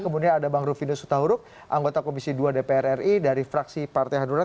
kemudian ada bang rufino sutahuruk anggota komisi dua dpr ri dari fraksi partai hanura